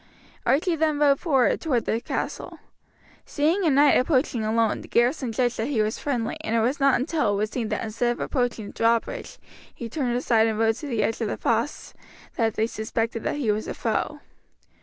Archie then rode forward toward the castle. Seeing a knight approaching alone the garrison judged that he was friendly, and it was not until it was seen that instead of approaching the drawbridge he turned aside and rode to the edge of the fosse, that they suspected that he was a foe.